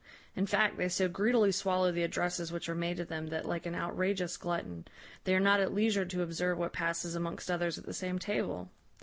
In fact, they so greedily swallow the addresses which are made to them, that, like an outrageous glutton, they are not at leisure to observe what passes amongst others at the same table.